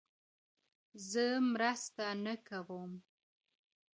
زه مرسته نه کوم،